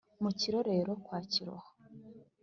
Mu Kirorero kwa Kiroha